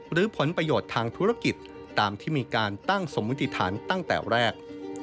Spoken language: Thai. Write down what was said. หรือผลประโยชน์ทางธุรกิจตามที่มีการตั้งสมมติฐานตั้งแต่แรก